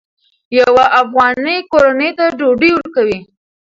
یوه افغاني کورنۍ ته ډوډۍ ورکوئ.